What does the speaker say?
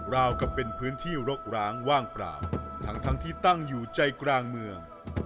ราวกับเป็นพื้นที่รกร้างว่างเปล่าทั้งที่ตั้งอยู่ใจกลางเมือง